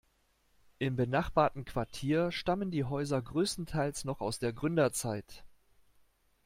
Im benachbarten Quartier stammen die Häuser größtenteils noch aus der Gründerzeit.